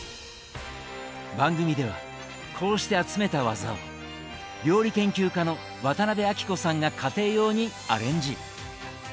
番組ではこうして集めたワザを料理研究家の渡辺あきこさんが家庭用にアレンジ。